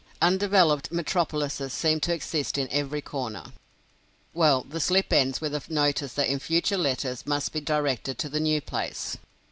Undeveloped metropolises seem to exist in every corner. Well, the slip ends with a notice that in future letters must be directed to the new place.